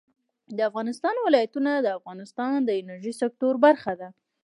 د افغانستان ولايتونه د افغانستان د انرژۍ سکتور برخه ده.